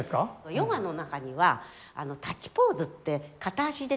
ヨガの中には立ちポーズって片足で立ってね。